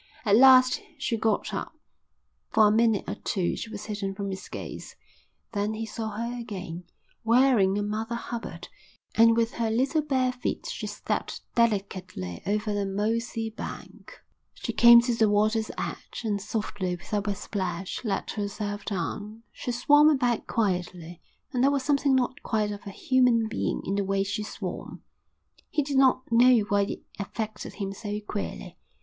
At last she got up, and for a minute or two she was hidden from his gaze; then he saw her again, wearing a Mother Hubbard, and with her little bare feet she stepped delicately over the mossy bank. She came to the water's edge, and softly, without a splash, let herself down. She swam about quietly, and there was something not quite of a human being in the way she swam. He did not know why it affected him so queerly.